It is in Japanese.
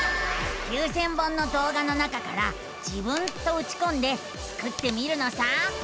９，０００本のどう画の中から「自分」とうちこんでスクってみるのさ。